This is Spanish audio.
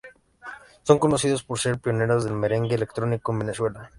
Son conocidos por ser los pioneros del Merengue Electrónico en Venezuela.